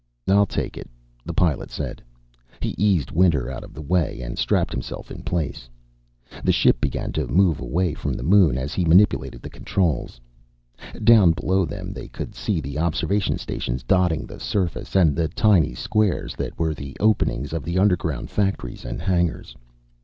"I'll take it," the Pilot said. He eased Winter out of the way and strapped himself in place. The ship began to move away from the moon as he manipulated the controls. Down below them they could see the observation stations dotting the surface, and the tiny squares that were the openings of the underground factories and hangars.